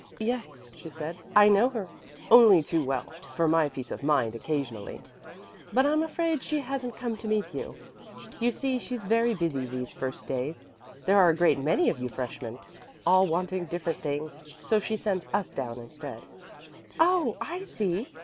"Yes," she said, "I know her only too well for my peace of mind occasionally. But I'm afraid she hasn't come to meet you. You see she's very busy these first days there are a great many of you freshman, all wanting different things. So she sends us down instead." "Oh, I see."